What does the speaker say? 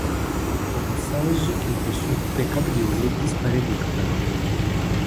Au passage, la version coupé cabriolet disparaît du catalogue.